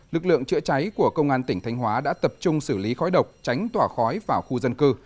lực lượng chữa cháy của công an tỉnh thanh hóa đã tập trung xử lý khói độc tránh tỏa khói vào khu dân cư